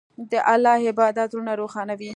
د الله عبادت زړونه روښانوي.